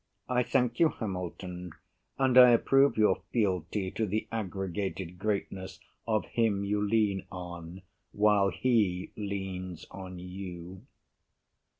I thank you, Hamilton, and I approve Your fealty to the aggregated greatness Of him you lean on while he leans on you.